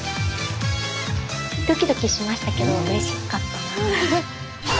ドキドキしましたけどうれしかったな。